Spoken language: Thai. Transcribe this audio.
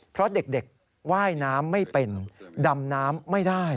เพราะเด็กว่ายน้ำไม่เป็นดำน้ำไม่ได้